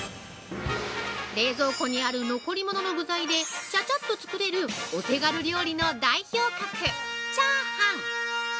冷蔵庫にある残りものの具材でチャチャッと作れるお手軽料理の代表格、チャーハン。